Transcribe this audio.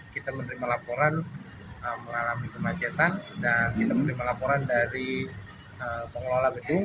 kita menerima laporan mengalami kemacetan dan kita menerima laporan dari pengelola gedung